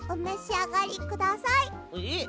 えっ？